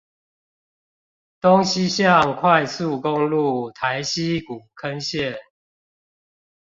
東西向快速公路台西古坑線